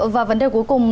và vấn đề cuối cùng